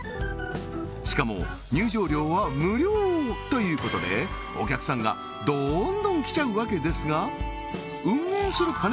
しかも入場料は無料！ということでお客さんがどんどん来ちゃうわけですが運営するかね